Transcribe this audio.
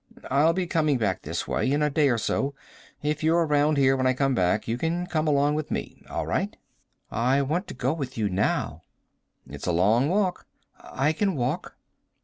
"I'll be coming back this way. In a day or so. If you're around here when I come back you can come along with me. All right?" "I want to go with you now." "It's a long walk." "I can walk."